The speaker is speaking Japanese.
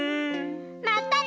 またね！